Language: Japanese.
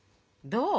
どう？